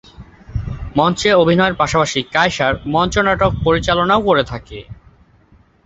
মঞ্চে অভিনয়ের পাশাপাশি কায়সার মঞ্চনাটক পরিচালনাও করে থাকেন।